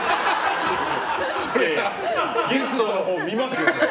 そりゃ、ゲストのほう見ますよ。